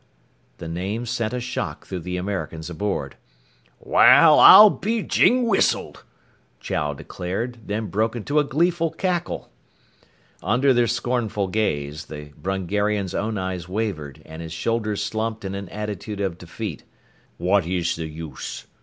_" The name sent a shock through the Americans aboard. "Wal, I'll be jing whistled!" Chow declared, then broke into a gleeful cackle. Under their scornful gaze, the Brungarian's own eyes wavered and his shoulders slumped in an attitude of defeat. "What is the use?"